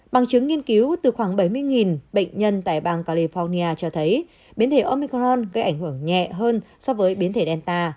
bằng chứng nghiên cứu từ khoảng bảy mươi bệnh nhân tại bang california cho thấy biến thể omicron gây ảnh hưởng nhẹ hơn so với biến thể delta